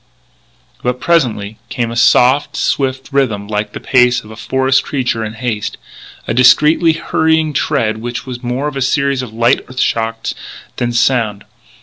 But, presently, came a soft, swift rhythm like the pace of a forest creature in haste a discreetly hurrying tread which was more a series of light earth shocks than sound.